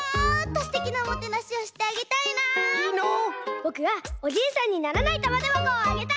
ぼくはおじいさんにならないたまてばこをあげたい！